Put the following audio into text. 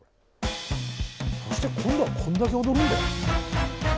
そして今度はこんだけ踊るんだよ。